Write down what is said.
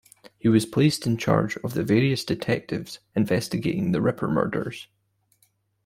He was placed in charge of the various detectives investigating the Ripper murders.